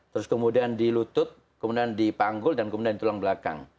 terus kemudian di lutut kemudian di panggul dan kemudian tulang belakang